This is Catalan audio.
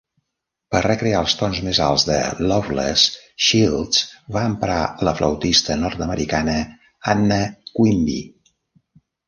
Per recrear els tons més alts de "Loveless", Shields va emprar la flautista nord-americana Anna Quimby.